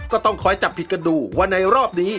ก็ต้องคอยจับผิดกันดูว่าในรอบนี้